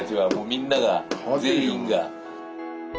みんなが全員が。